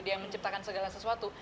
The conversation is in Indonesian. dia menciptakan segala sesuatu